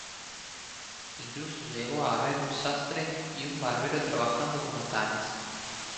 Incluso llegó a haber un sastre y un barbero trabajando como tales.